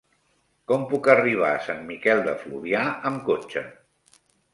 Com puc arribar a Sant Miquel de Fluvià amb cotxe?